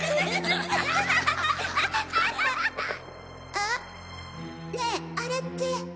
あ？ねぇあれって。